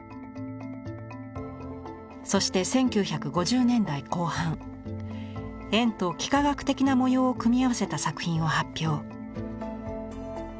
そして１９５０年代後半円と幾何学的な模様を組み合わせた作品を発表。